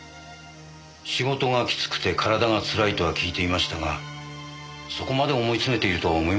仕事がきつくて体がつらいとは聞いていましたがそこまで思い詰めているとは思いませんでしたから。